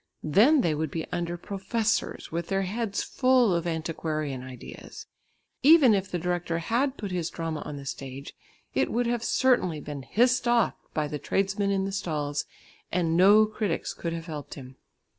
Then they would be under professors with their heads full of antiquarian ideas. Even if the director had put his drama on the stage, it would have certainly been hissed off by the tradesmen in the stalls, and no critics could have helped him!